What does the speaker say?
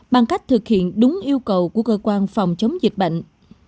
bằng cách thực hiện đúng yêu cầu của cơ quan phòng chống dịch bệnh